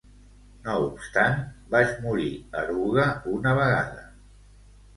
No obstant, vaig morir eruga una vegada.